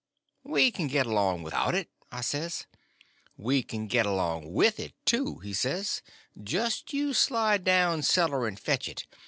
"We can get along without it," I says. "We can get along with it, too," he says; "just you slide down cellar and fetch it.